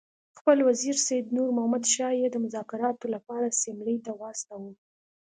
خپل وزیر سید نور محمد شاه یې د مذاکراتو لپاره سیملې ته واستاوه.